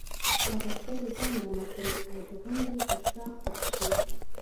او غوښتل یې ځان دمه کړي او د غونډې تر شا پټ شي.